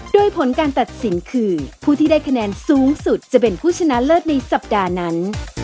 โดยผลการตัดสินคือผู้ที่ได้คะแนนสูงสุดจะเป็นผู้ชนะเลิศในสัปดาห์นั้น